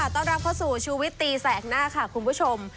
ต้อนรับเข้าสู่ชูวิตตีแสกหน้าค่ะคุณผู้ชม